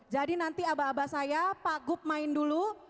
jadi nanti abah abah saya pak gup main dulu